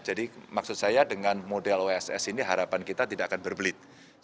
jadi maksud saya dengan model oss ini harapan kita tidak akan berbelit